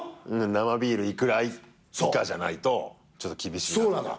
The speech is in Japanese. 生ビール幾ら以下じゃないとちょっと厳しいなとか。